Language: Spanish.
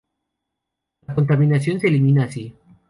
La contaminación se elimina así.